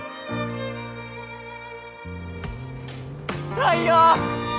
太陽！